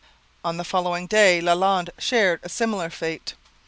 On the following day Lalande shared a similar fate.